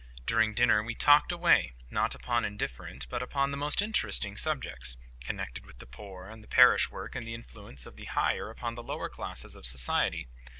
During dinner we talked away, not upon indifferent, but upon the most interesting subjects—connected with the poor, and parish work, and the influence of the higher upon the lower classes of society.